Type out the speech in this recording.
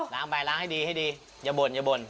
ล้างไปล้างให้ดีอย่าบ่น